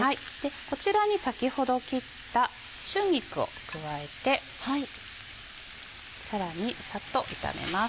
こちらに先ほど切った春菊を加えてさらにさっと炒めます。